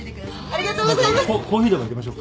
ありがとうございます。